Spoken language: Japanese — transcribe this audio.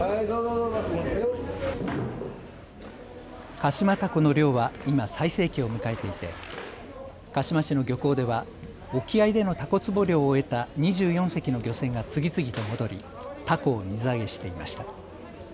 鹿島たこの漁は今、最盛期を迎えていて鹿嶋市の漁港では沖合でのたこつぼ漁を終えた２４隻の漁船が次々と戻りタコを水揚げしていました。